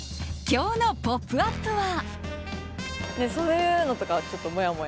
今日の「ポップＵＰ！」は。